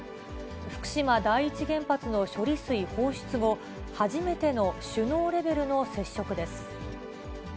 福島第一原発の処理水放出後、初めての首脳レベルの接触です。